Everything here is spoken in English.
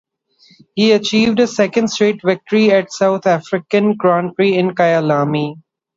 He achieved a second straight victory at the South African Grand Prix in Kyalami.